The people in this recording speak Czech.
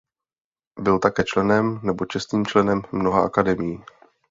Byl také členem nebo čestným členem mnoha akademií.